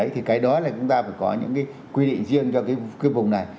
thì cái đó là chúng ta phải có những cái quy định riêng cho cái vùng này